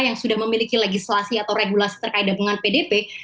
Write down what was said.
yang sudah memiliki legislasi atau regulasi terkait dapungan pdp